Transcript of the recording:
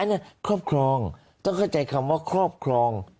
เนี่ยครอบครองต้องเข้าใจคำว่าครอบครอง